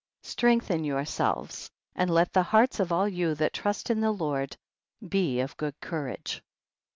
17. Strengthen yourselves, and let the hearts of all you that trust in the Lord be of good courage.